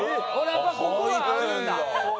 やっぱここはあるんだ。